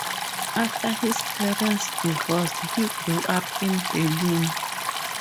After his parents divorced, he grew up in Berlin.